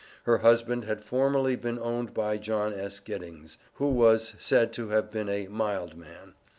Her husband had formerly been owned by John S. Giddings, who was said to have been a "mild man."